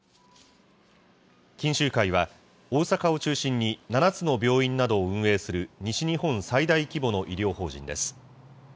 錦秀会は、大阪を中心に７つの病院などを運営する西日本最大規模の医療法人です。